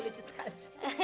itu lucu sekali